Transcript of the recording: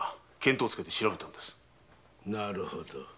なるほど。